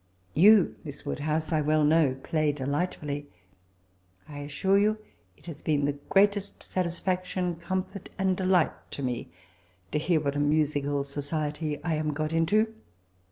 Tol:^ Miss Woodhouse, I well know, play delightfully. I assure yon it has been the greatest satisfaction, oomfort, and delight to me, to hear what a musioEil society I am got into.